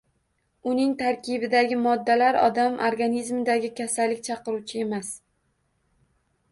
Uning tarkibidagi moddalar odam organizmidagi kasallik chaqiruvchi emas